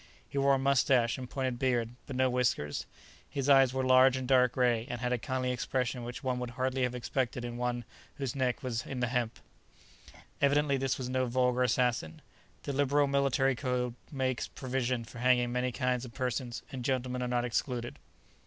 He wore a moustache and pointed beard, but no whiskers; his eyes were large and dark gray, and had a kindly expression which one would hardly have expected in one whose neck was in the hemp. Evidently this was no vulgar assassin. The liberal military code makes provision for hanging many kinds of persons, and gentlemen are not excluded.